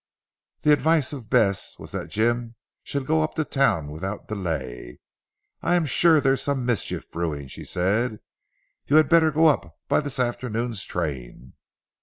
The advice of Bess was that Jim should go up to Town without delay. "I am sure there is some mischief brewing," she said, "you had better go up by this afternoon's train."